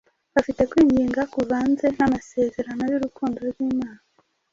afite kwinginga kuvanze n’amasezerano y’urukundo rw’Imana,